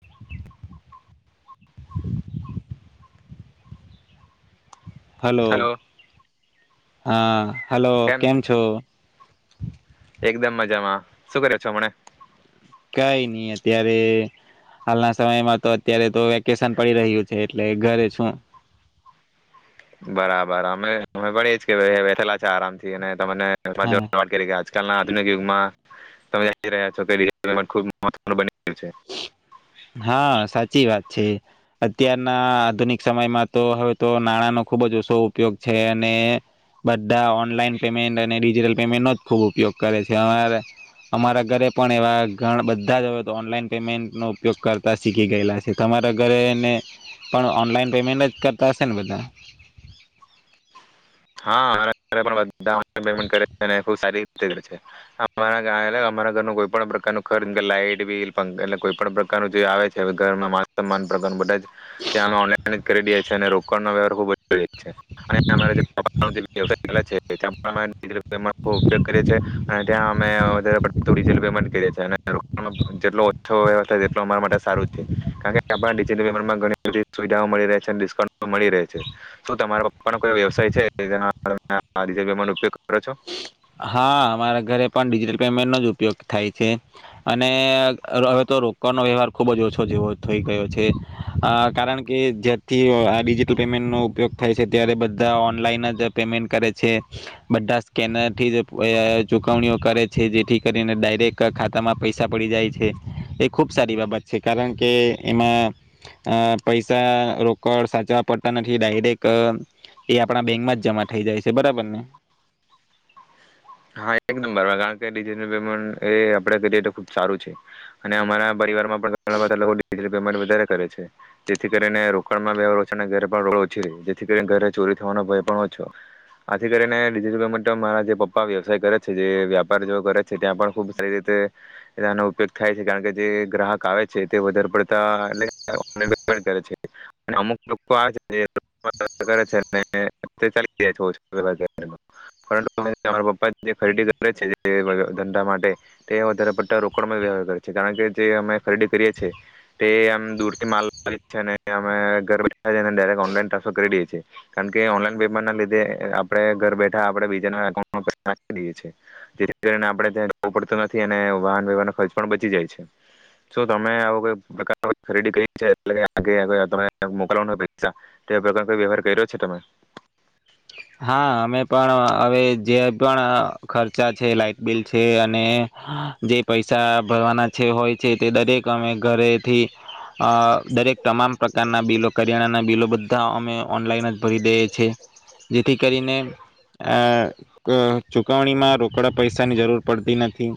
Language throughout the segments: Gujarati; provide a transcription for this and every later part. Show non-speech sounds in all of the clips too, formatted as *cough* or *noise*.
*inaudible* હલો. હા. હલો કેમ છો. એકદમ મજામાં શું કર્યો છો હમણા. કઈ નઈ અત્યારે હાલના સમયમાં તો અત્યારે તો વેકેશન પડી રહ્યું છે એટલે ઘરે શું. બરાબર અમે અમે ભ કે ભ બેઠેલા છે આરામથી અને હા *unintelligible* આધુનિક યુગમાં તમે *unintelligible* રહ્યા છો *unintelligible* હા સાચી વાત છે. અત્યારના આધુનિક સમયમાં તો હવે તો નાણાંનો ખુબ જ ઓછો ઉપયોગ છે અને બધા ઓનલાઈન પેમેન્ટ અને ડિજિટલ પેમેન્ટ નો જ ખૂબ ઉપયોગ કરે છે અમારા ઘરે પણ એવા ઘ બધા જ હવે તો ઓનલાઈન પમે ન ઉપયોગ કરતા શીખી ગયેલા છે તમારા ઘરેને પણ ઓનલાઈન પેમેન્ટ જ કરતા હશે ને બધા. હા ઘન્ટ કરે છે સારી રીતેે અમારા ઘર કોઈ પણ પ્રકારનુંર્ લાઈટ બિલ એટલે કોઈ પણ પ્રકારનું જે આવે છે ઘર મામાન પ્રકાર બધા જ ત અમે ઓલાન જ કરી દ છ અને રોકણ ન વવહાર ખબ છે. અને અરે. વ્યાય છે. એમાં બ ઉપયોગ કરે છે. ત્યાં અમેલ પેમેન્ટ કરી જેલો ઓછોાય તેલો અમારા માટે સારું છે કારણ કે આપટલેમેન્ટમાં ઘણી બધી સુવિધાઓ મળી છે ડિસ્કાઉન્ટ મળી રહે છે શું તમારા પપ્પાનો કોઈ વ્યવસાય ત આનો ઉપયોગ કરો છો. હા અમારા ઘરે પણ ડિજિટલ પેમેન્ટનોો જ ઉપયોગ થાય છે અને હવે તો રોકડનો વ્યવહાર ખુબ જ ઓછો જેવો થઈ ગયો છે કારણ કે જે્યારથી ડિજિટલ પેમેન્ટનોો ઉપયોગ થાય છે ત્યારે બધા ઓનલાઈન જ પેમેન્ટ કરે છે બધા સ્કેનર ચુકવણીઓ કરે છે જેથી કરીને ડાયરેક્ટ ખાતામાં પૈસા પડી જાય છે એ ખુબ સારી બાબત છે કારણ કે એમાં પૈસા રોકડ સાચવા પડતા નથી ડાયરેક્ટ એ આપણા બેંકમાં જ જમા થઈ જાય છે બરાબર ને. હા કારણ કેટલ પેમેન્ટ એ આપડે કરીએ તો ખુબ સારું છે અને અમારા પરિવારમાં પણ ઘાન્ટ વધ કરે છે જેથી કરીને રોકડમાં ઘો ઓછી જેથી કરી ઘરે ચોરી થવાનો ભય પણ ઓછો આથી કરીને પેમેન્ટરા જે વ્યવસાય કરે છે જે વ્યાપાર જે કરે છે ત્યાં પણ ખુબ સારી રીતેનો ઉપયોગ થાય છે કારણ કે જે ગ્રાહક આવે છે તે વધારે પડતા એટે છે અમુક લોકો આવે છેે જાય છે. ્ જે ખરીદી કરે છે ધંધા માટે તે વધારે પડતા રોકડ વ્યવહાર કરે છે કારણ કે જે અમે ખરીદી કરીએ છેએ તે આમ દૂર થી માલ અને અ ઘાક ઓનલાન ટ્રાન્સફર કરી દેએ છીએ કારણ કે ઓનલાઈન પેમેન્ટ ના લીધે આપણે ઘર બેઠા આપ બીજાના. નાખી દએ છી જેથી કરીને આપણે ત્યાં જવું પડતું નથી અને વાહન વ્યવહાર ન ખર્ચ પણ બચી જાય છે શ તમે આવ કોઈ પ્રકાર ખરીદી કરી છે એ મોકલવા હો પૈસા તે પ્રકારનો કોઈ વ્યવહાર કર્યો છે તમે. હા અમે પણ હવે જે પણ ખર્ચા છે લાાઈટ બિલ છે અને જે પૈસા ભરવાના છે હોય છે, તે દરેક અમે ઘરેથી દરેક તમામ પ્રકારના બિલો કરિયાણાના બિલો બધા અમે ઓનલાઈન જ ભરી દઈએ છે. જેથી કરીને અ ચૂકવણીમા રોકડા પૈસાની જરૂર પડતી નથી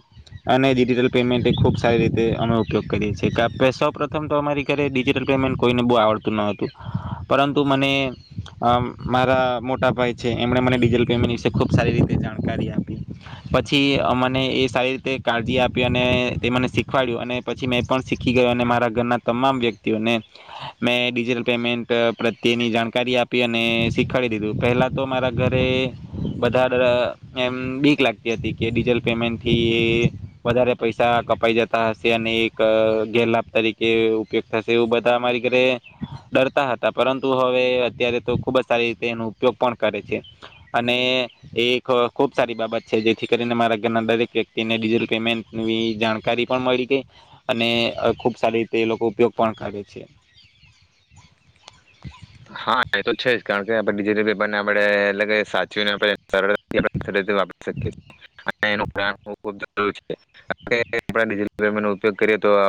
અને ડિજિટલ પેમેન્ટ એ ખૂબ સારી રીતે અમે ઉપયોગ કરીએ છીએ, કે સૌ પ્રથમ તો અમારી ઘરે ડિજિટલ પેમેન્ટ કોઈને બહુ આવડતું ન હતું પરંતુ મને મારા મોટ ટા ભાઈ છે એમણે મને ડિજિટલ પેમેન્ટ વિશે ખુબ સારી રીતે જાણકારી આપી પછી, મને એ સારી રીતે કાળજી આપી અને એ મને શીખવાડ્યું અને પછી મેં પણ શીખી ગયો અને મારા ઘરના તમામ વ્યક્તિઓને મેં ડિજિટલ પેમેન્ટ પ પ્રત્યેની જાણકારી આપી અને શીખવાડી દીધી. પહેલા તો મારા ઘરે બધા અ એમ બીક લાગતી હતી કે ડિજટલ પેમેન્ટથી વધારે પૈસા કપાઈ જતા હશે અને એક ગેરલાભ તરીકે ઉપયોગ થશે એવું બધા મારી ઘરે ડરતા હતા, પરંતુ હવે અત્યારે તો ખુબ જ સારી રીતે એનું ઉપયોગ પણ કરે છે અને એ એક ખુબ સારી બાબત છે જેથી કરીને મારા ઘરના દરેક વ્યક્તિને ડિજટલ પેમેન્ટની જાણકારી પણ મળી ગઈ અને ખુબ સારી રીતે એ લોકો ઉપયોગ પણ કરે છે. હા એ તો છે જ કારણ કે આપણે ડિજિટલ પેપર ને આપડે એગ સાચીવીને આપડે. સરળ *unintelligible* ઉપગ કરીએ તો *unintelligible*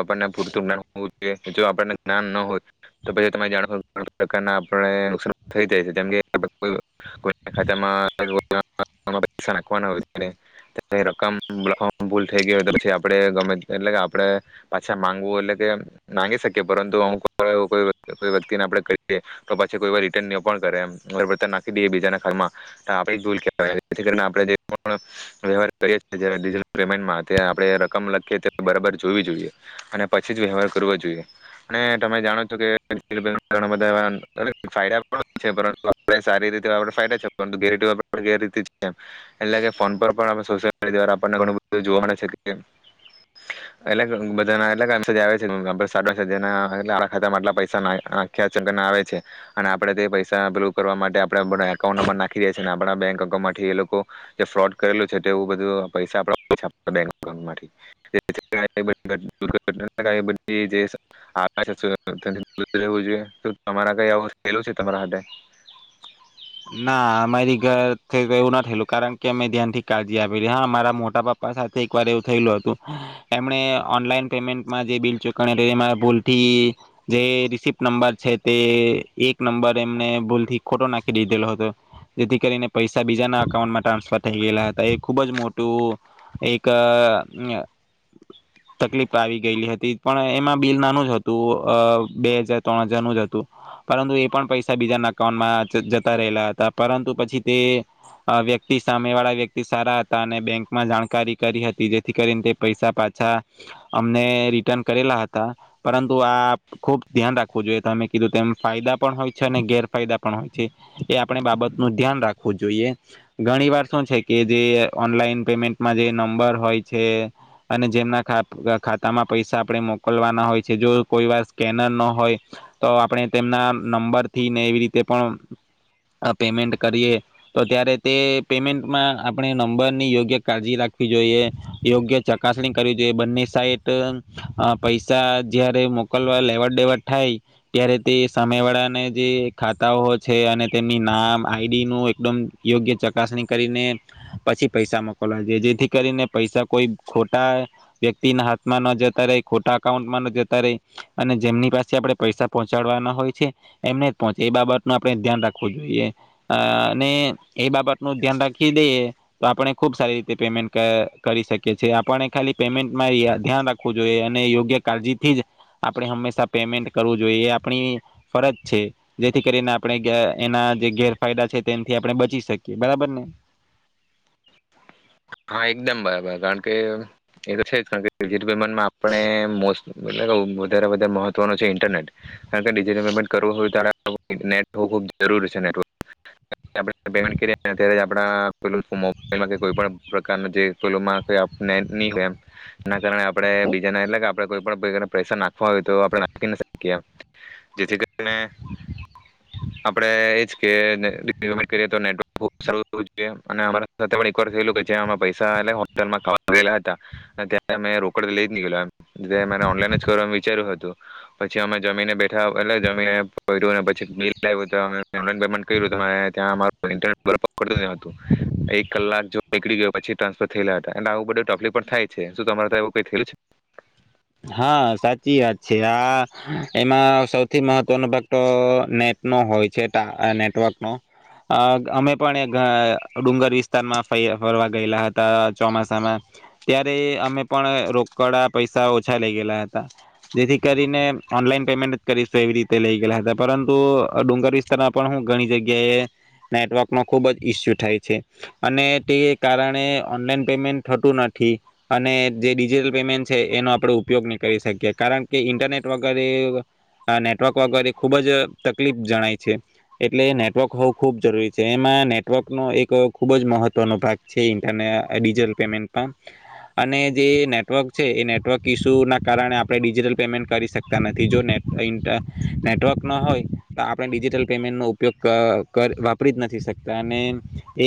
જોઈએ જો આપને જ્ઞાન ન હોય તો પછી જાણ. *unintelligible* થ જાય છે કે ખા હો રકમ ભૂલ થઈ ગ હોય પછી આપ ગમે એટલે આપણે પાછા માંગવું એટલે કે મામાંગી શકીએ પરંતુ વ્યક્તિને આપ. પછી કોઈ વાપર રિટર્ન ન પણ કરે એમ નાખી દઈએ બીજાના ખાતામાં આપ ભૂલવાણે *unintelligible* વ્યવાર કરીેન્ટમાં આપણે રકમ લખીએ બરાબર જોવી જોઈએ, અને પછી જ વ્યવહાર કરવો જોઈએ અને તમે જાણો છો કે *unintelligible* સારી રીદા એટલે ફોન પર જોવા મળે છેટધાલા પૈસાખ. આવે છે અને આપણેે તે પૈસા ભલું કરવા માટે આપ એકાઉન્ટ નંબર નાખીએ છે. આપણા બેંક એકાઉન્ટ માંથી એ લોકો જે ફ્રોડ કરેલું છે એવુ બધ *unintelligible* પૈસાઉથી જોઈ. તમારા કઈ આવું થયેલું છે તમારા હાથે? ના અમારી ઘર એવું ના થયેલું કારણ કે અમે ધ્યાન થી કાળજી આપલી, હા મારા મોટા પાપ્પા સાથે એક વાર એવું થયેલું હતું એમણે ઓનલાઈન પેમેન્ટમાં જે બિલ ચુકણી ભૂલથી જે રિસપ્ટ નંબર છે તે એક નંબર એમને ભૂલથી ખોટો નાખ દીધેલો હતો જેથી કરીને પૈસા બીજાના અકાઉન્ટમાં ટ્રાન્સફર થઈ ગયલા હતા એ ખુબ જ મોટું એક તકલીફ આવી ગયેલી હતી પણ એમાં બિલ નાનું જ હતું બે હજાર ત્રણ હજારનું જ હતું પરંતુ એ પણ પૈસા બીજાના અઉન્ટમાં જ રહેલા હતા પરંતુ પછી તે વ્યક્તિ સામે વાળા વ્યક્તિ સારા હતા અને બેંકમાં જાણકારી કરી હતી જેથી કરીને તે પૈસા પાછા અમને રિટર્ન કરેલા હતા, પરંતુ આ ખુબ ધ્યાન રાખવું જોઈએમે કીધું તેમ ફાયદા પણ હોય છે અને ગેરફાયદા પણ હોય છે. એ આપણે બાબતનું ધ્યાન રાખવું જોઈએ, ઘણી વાર શું છે કે જે ઓનલાઈન પેમેન્ટમાં જે નંબર હોય છે અને જેમના ખાતામાં પૈસા આપણે મોકલવાના હોય છે જો કોઈ વાર સ્કેનર ન હોય તો આપણે તેમના નંબરથીને એવી રીતે પણ. પેમેન્ટ કરીએ તો ત્યારે તે પેમેન્ટમાં આપણે નંબરની યોગ્ય કાળજી રાખવી જોઈએ, યોગ્ય ચકાસણી કરવી જોઈએ બંને સાઈટ પૈસા જયારે મોકલવા લેવડ દેવડ થાય ત્યારે તે સામે વાળાને જે ખાતાઓ. અને તેમની નામ આઈડી નું એકદમ યોગ્ય ચકાસણી કરીને પછી પૈસા મોકલવા જોઈએ, જેથી કરીને પૈસા કોઈ ખોટા વ્યક્તિ ના હાથમાં ન જતા રહે ખોટા અકાઉન્ટમાં ન જતા રહે અને જેમની પાસે આપણે પૈસા પહોંચાડવાના હોય છે એમને જ પહોંચે એ બાબત આપણે ધ્યાન રાખવું જોઈએ અને એ બાબતનું ધ્યાન રાખી દઈએ તો આપણે ખુબ સારી રીતે પેમેન્ટ કરી શકીએ છીએ, આપણે ખાલી પેમેન્ટમાં ધ્યાન રાખવું જોઈએ અને યોગ્ય કાળજીથી જ આપણે હંમેશા પેમેન્ટ કરવું જોઈએ એ આપણી ફરજ છે જેથી કરીને આપણે એના જે ગેરફાયદા છે તેથી આપણે બચી શકીએ બરાબર ને. હા એકદમ બરાબર કારણ કે એ તો છે જ કારણ કે ડિજિટલ પેમેન્ટમાં આપણે મોસ્ટ વધારે વધારે મહત્વનો છે ઇન્ટરનેટ કારણ કે ડિજિટલ પેમેન્ટ કરવું હોય તો નેટ હોવું ખૂબ જરૂરી છે નેટવર્ક આપણે પેમેન્ટ કરીએ અ્યારે આપણા પે મોબલમાં કે કોઈ પણ પ્રકાર ન જેલો હશે આપણે ની મેળ એમ ઘણાય આપડે બીજા ને એટલે આપ કોઈ પણ પ્રકાર પૈસા નાખવા હોય તો આપણે નાખી શકીએ જેથી કરી અને આપડે એ જ કે ને નેટવર્ક બવ સારું જોઈએ અને અમારા સાથે પણ એક વાર થયેલું કે પૈસા એટ હોલમાં કેલા હતા ત અમે રોકડ લઈ જ નીકળ ઓનલાઈન જ કરવા વિચાર્યું હતું પછી અમે જમીને બેઠા એટલે જમીને પ્યું પછી બિલ્યું અમે ઓનલાઈન પેમેન્ટ કર્યું ત્યાં અમારું ન્ટરનેટ બર પકડતું ન હતું એક કલાક જો નીકળી ગયો પછી ટ્રાન્સફર થયેલા હતા અને આવું બધું તફલી પણ થાય છે શું તમારે સાથે એવુ કાય થયેલું છે. હા સાચી વાત. છે આ એમાં સૌથી મહત્વનો ભાગ તો નેટ નો હોય છે નેટવર્ક નો અમે પણ એક ડુંગર વિસ્તારમાં ફ ફરવા ગયેલા હતા ચોમાસામાં ત્યારે અમે પણ રોકડા પૈસા ૈ ઓછા લઈ ગયલા હતા જેથી કરીને ઓનલાઈન પેમેન્ટ જ કરીશ એવી રીતે લઈ ગયલા હતા પરંતુ ડુંગર વિસ્તારમાં પણ હું ઘણી જગ્યાએ નેટવર્ક ન ખુબ જ ઈસ્યુ થાય છે અને તે કારણે ઓનલાઈન પેમેન્ટ થતું નથી અને જે ડીઝલ પેમેન્ટ છે એનો આપણે ઉપયોગ નહી કરી શકીએ કારણ કે ઇન્ટરનેટ વગરે નેટવર્ક વગરે ખૂબ જ તકલીફ જણાય છે એટલે નેટવર્ક હોવું ખૂબ જરૂરી છે એમાં નેટવર્કનો એક ખૂબ જ મહત્ત્વનો ભાગ છે ઇન્ટરને ડિજિટલ પેમેન્ટમાં અને જે નેટવર્ક છે એ નેટવર્ક ઇસ્યુના કારણે આપણે ડિજિટલ પેમેન્ટ કરી શકતા નથી જો નેટ ઇન્ટ નેટવર્ક ન હોય તો આપણે ડિજિટલ પેમેન્ટનો ઉપયોગ વાપરી જ નથી શકતા અને એ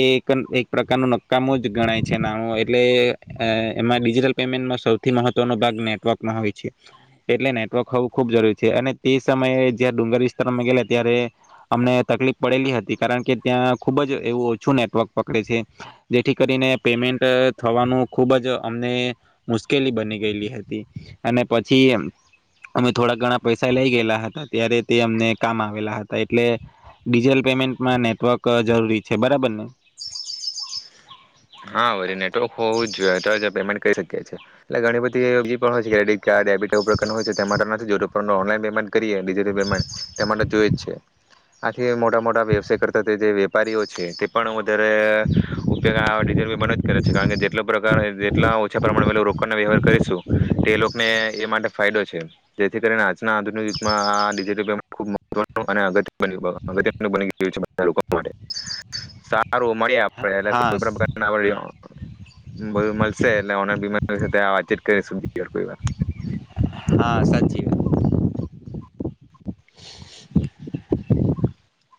એક પ્રકારનું નક્કામું જ ગણાય છે નાનું એટલે એમાં ડિજિટલ પેમેન્ટમાં સૌથી થી મહત્વનો ભાગ નેટવર્ક ના હોય છે એટલે નેટવર્ક હોવું ખૂબ જરૂરી છે અને તે સમયે જ્યા ડુંગર વિસ્તારમાં ગેલા ત્યારે અમને તકલીફ પડેલી હતી કારણ કે ત્યાં ખુબ જ એવું ઓછું નેટવર્ક પકડે છે જેથી કરીને પેમેન્ટ થવાનું ખૂબ જ અમને મુશ્કે ઉકેલી બની ગયેલી હતી અને પછી અમે થોડા ઘણા પૈસા લઈ ગયેલા હતા ત્યારે તે અમને કામ આવેલા હતા એટલે ડિજિટલ પેમેન્ટમાં નેટવર્ક જરૂરી છે બરાબર ને. હા વરી નેટવર્ક હોવું જ જોઈએ તો જ પેમેન્ટ કરી શકીીએ એટલે ઘણી બધી હોય છેડટ કાર્બટ પ્રકારનું હોય છે તે માટે નથી ઓનલાઈન પેમેન્ટ કરીએિજટલ પેમેન્ટ તે માટે જોઈ જ છે આથી મોટા મોટા વ્યવસાય કરતા જે વેપારીઓ છે તે પણ વધારે ઉપયોગ બંધ જ કરે છે કારણ કે જેટ પ્રકાર જેટલા ઓછા પ્રમાણ રોકાણ વ્યવહાર કરીશું તે લોકોને એ માટે ફાયદો છે જેથી કરીને આજના આધુનિક ગામ માટે સારું મળ્યા આપડે એટલે હા કોઈ પણ *inaudible* બધું મળશે એટલે ઓલા બીમારી *inaudible* વાતચીત કરી સુધી વા હા સાચી *inaudible* *inaudible*